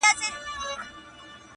اعتراف د اصلاح لومړنی ګام دی.